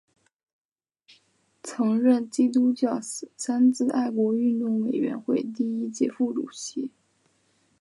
曾任中国基督教三自爱国运动委员会第一届副主席。